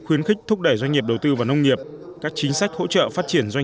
khuyến khích thúc đẩy doanh nghiệp đầu tư vào nông nghiệp các chính sách hỗ trợ phát triển doanh